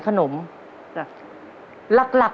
ตัวเลือกที่สองวนทางซ้าย